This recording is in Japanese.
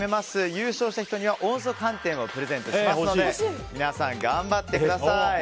優勝した人には音速飯店をプレゼントしますので皆さん、頑張ってください！